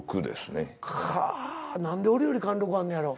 何で俺より貫禄あんねやろ。